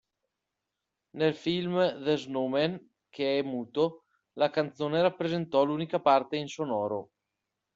Nel film "The Snowman", che è muto, la canzone rappresentò l'unica parte in sonoro.